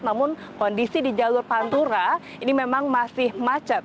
namun kondisi di jalur pantura ini memang masih macet